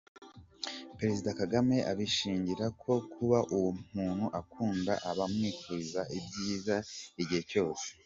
Perezida Kagame abishingira ko kuba uwo umuntu akunda aba amwifuriza ibyiza igihe cyose.